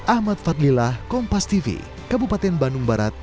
ahmad fadlilah kompas tv kabupaten bandung barat